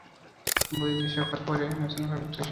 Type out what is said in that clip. বইয়ের সেসব কথা পড়ে আমরা নতুন করে ভাবতে শিখি, স্বপ্ন দেখতে শিখি।